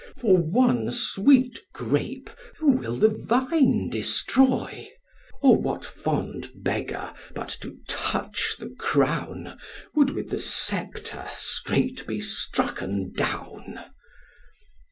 For one sweet grape who will the vine destroy? Or what fond beggar, but to touch the crown, Would with the sceptre straight be strucken down?